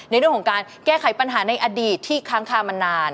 ในเรื่องของการแก้ไขปัญหาในอดีตที่ค้างคามานาน